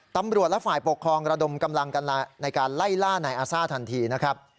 ตำรวจและฝ่ายปกครองระดมกำลังกันในการไล่ล่านายอาซ่าทันทีนะครับ